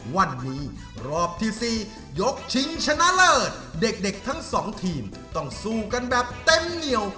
วันนี้รอบที่๔ยกชิงชนะเลิศเด็กทั้งสองทีมต้องสู้กันแบบเต็มเหนียว